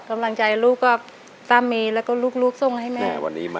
กำลังใจลูกก็ตั้มมีแล้วก็ลูกส่งไว้ให้แม่